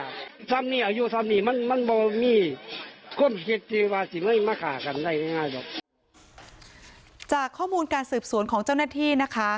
อายุสามนี้มันไม่มี